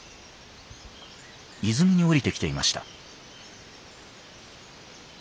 泉に降りてきていました。